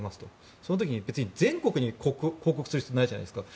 その時に別に全国に広告する必要ないじゃないですか。